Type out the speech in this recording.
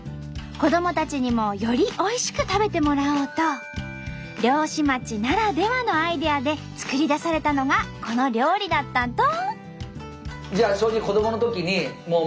子どもたちにもよりおいしく食べてもらおうと漁師町ならではのアイデアで作り出されたのがこの料理だったんと！